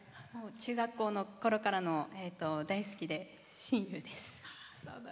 中学校のころからの大好きな親友です。